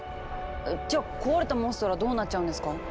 じゃ壊れたモンストロはどうなっちゃうんですか？